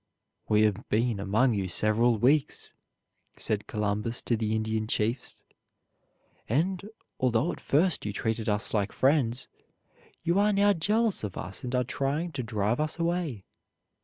"We have been among you several weeks," said Columbus to the Indian chiefs; "and, although at first you treated us like friends, you are now jealous of us and are trying to drive us away.